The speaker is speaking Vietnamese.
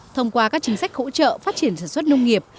thông qua các chính sách hỗ trợ phát triển sản xuất nông nghiệp